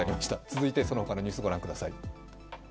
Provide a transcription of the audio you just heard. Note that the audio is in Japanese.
続いて、そのほかのニュース、ご覧ください。